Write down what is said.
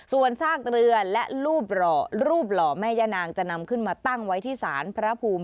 ส่วนซากเรือและรูปหล่อแม่ย่านางจะนำขึ้นมาตั้งไว้ที่ศาลพระภูมิ